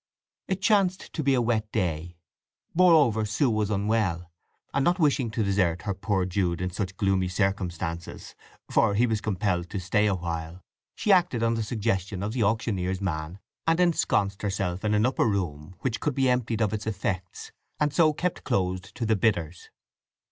It chanced to be a wet day; moreover Sue was unwell, and not wishing to desert her poor Jude in such gloomy circumstances, for he was compelled to stay awhile, she acted on the suggestion of the auctioneer's man, and ensconced herself in an upper room, which could be emptied of its effects, and so kept closed to the bidders.